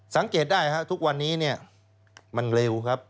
สังเกตได้ทุกวันนี้มันเร็วครับ